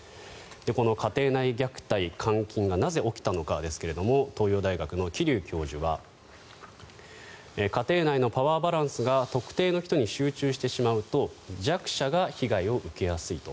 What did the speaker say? この家庭内虐待・監禁がなぜ起きたのかですが東洋大学の桐生教授は家庭内のパワーバランスが特定の人に集中してしまうと弱者が被害を受けやすいと。